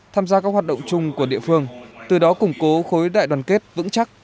tham gia các hoạt động chung của địa phương từ đó củng cố khối đại đoàn kết vững chắc